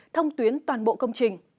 thông tuyến toàn bộ công trình